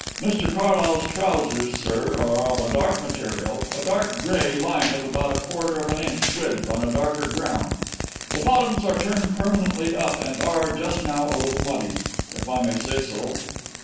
Mr Carlyle's trousers, sir, are of a dark material, a dark grey line of about a quarter of an inch width on a darker ground. The bottoms are turned permanently up and are, just now, a little muddy, if I may say so."